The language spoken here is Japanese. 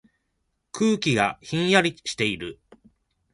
空気がひんやりしている。